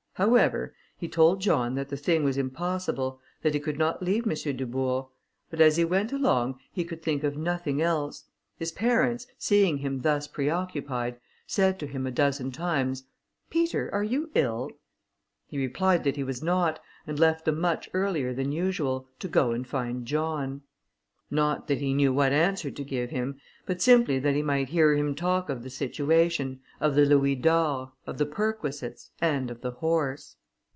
However, he told John that the thing was impossible; that he could not leave M. Dubourg; but as he went along he could think of nothing else. His parents, seeing him thus preoccupied, said to him a dozen times, "Peter, are you ill?" He replied that he was not, and left them much earlier than usual, to go and find John; not that he knew what answer to give him, but simply that he might hear him talk of the situation, of the louis d'or, of the perquisites, and of the horse.